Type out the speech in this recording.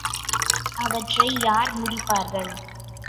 அவற்றை யார் முடிப்பார்கள்?